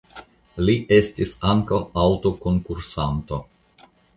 Li estis ankaŭ aŭtokonkursanto.